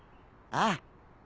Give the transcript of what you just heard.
ああ。